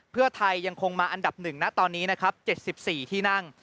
เพื่อไทยยังคงมาอันดับ๑นะตอนนี้นะครับ๗๔ที่นั่ง